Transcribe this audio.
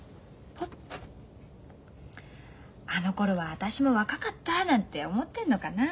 あのころは私も若かったなんて思ってんのかな。